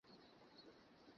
তিনি সুখ্যাতি লাভ করেন।